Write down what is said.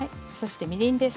みりんです。